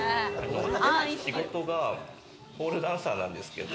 仕事がポールダンサーなんですけど。